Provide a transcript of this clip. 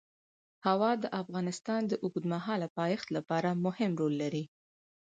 هوا د افغانستان د اوږدمهاله پایښت لپاره مهم رول لري.